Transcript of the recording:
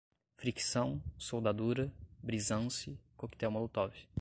fricção, soldadura, brisance, coquetel molotov